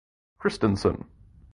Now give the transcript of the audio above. Kristensen.